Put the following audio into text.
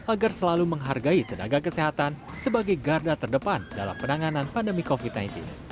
agar selalu menghargai tenaga kesehatan sebagai garda terdepan dalam penanganan pandemi covid sembilan belas